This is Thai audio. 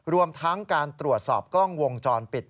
รวมทั้งการตรวจสอบกล้องวงจรปิด